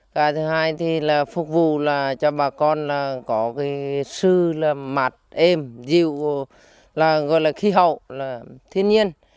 cái thứ hai thì là phục vụ là cho bà con có cái sư là mặt êm dịu là gọi là khí hậu là thiên nhiên